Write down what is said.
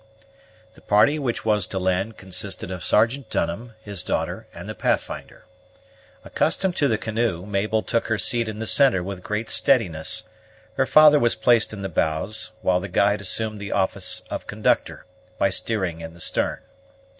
The party which was to land consisted of Sergeant Dunham, his daughter, and the Pathfinder. Accustomed to the canoe, Mabel took her seat in the centre with great steadiness, her father was placed in the bows, while the guide assumed the office of conductor, by steering in the stern.